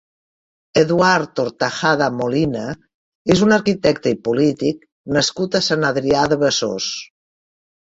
Eduard Tortajada Molina és un arquitecte i polític nascut a Sant Adrià de Besòs.